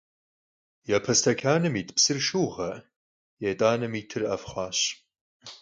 Yape stekanım yit psır şşıuğe, yêt'uanem yitır 'ef' xhuaş.